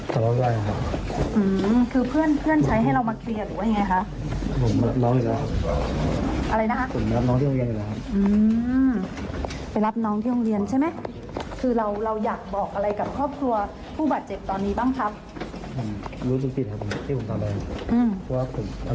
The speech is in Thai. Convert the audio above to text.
ไปรับน้องที่โรงเรียนใช่ไหมคือเราอยากบอกอะไรกับครอบครัวผู้บาดเจ็บตอนนี้บ้างครับ